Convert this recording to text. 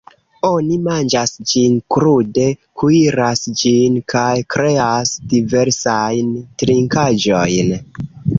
Oni manĝas ĝin krude, kuiras ĝin, kaj kreas diversajn trinkaĵojn.